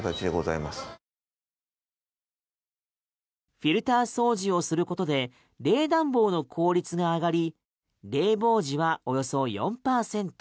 フィルター掃除をすることで冷暖房の効率が上がり冷房時はおよそ４％